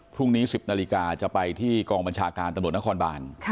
พรุ่งนี้๑๐นาฬิกาจะไปที่กองบัญชาการตำรวจนครบาน